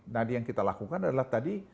nah yang kita lakukan adalah tadi